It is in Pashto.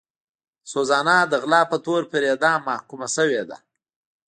سوزانا د غلا په تور پر اعدام محکومه شوې وه.